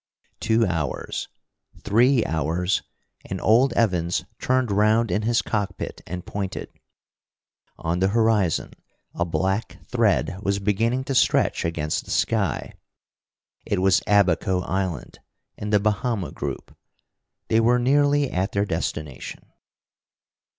Two hours, three hours, and old Evans turned round in his cockpit and pointed. On the horizon a black thread was beginning to stretch against the sky. It was Abaco Island, in the Bahama group. They were nearly at their destination.